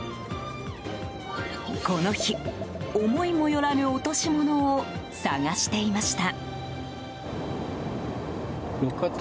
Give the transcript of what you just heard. この日、思いもよらぬ落とし物を探していました。